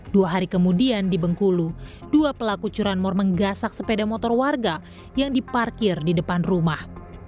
dua hari kemudian di bengkulu dua pelaku curanmor menggasak sepeda motor warga yang diparkir di depan rumah